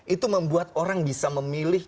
itu membuat orang bisa memilih